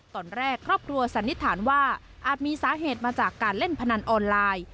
ตอนแรกครอบครัวสันนิษฐานว่าอาจมีสาเหตุมาจากการเล่นพนันออนไลน์